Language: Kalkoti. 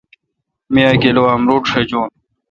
می اہ کلو امرود شجون۔